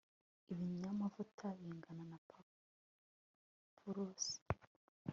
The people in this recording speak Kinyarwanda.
Ibinyamavuta bingana na purusa